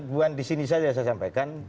bukan di sini saja saya sampaikan